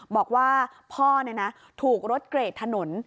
บอกว่าพ่อเนี่ยนะถูกรถเกรดถนน